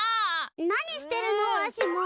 何してるのわしも？